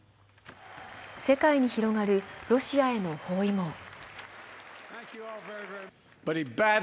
世界に広がるロシアへの包囲網。